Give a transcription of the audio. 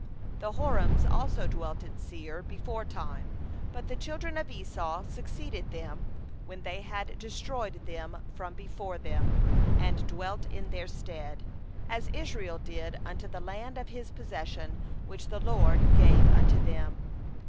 12And in Seir dwelt the Horites aforetime, but the children of Esau succeeded them; and they destroyed them from before them, and dwelt in their stead; as Israel did unto the land of his possession, which the LORD gave unto them.